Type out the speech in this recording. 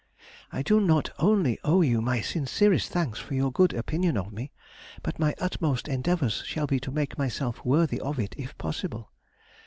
I do not only owe you my sincerest thanks for your good opinion of me, but my utmost endeavours shall be to make myself worthy of it if possible.